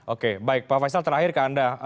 oke baik pak faisal terakhir ke anda